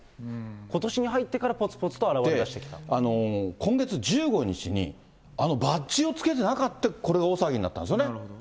ことしに入ってから、今月１５日に、あのバッジをつけてなくて、これ、大騒ぎになったんですよね。